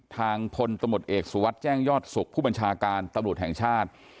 ทางพลตำรวจเอกสุวัสดิ์แจ้งยอดสุขผู้บัญชาการตำรวจแห่งชาติ